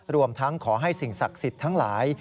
รวมทั้งขอให้สิ่งศักดิ์สิทธิ์ทั้งหลาย